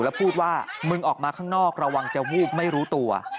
แล้วพูดว่ามึงออกมาข้างนอกระวังจะวูบไม่รู้ตัว